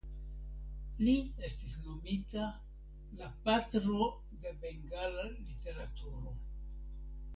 Li estis nomita la "Patro de Bengala literaturo".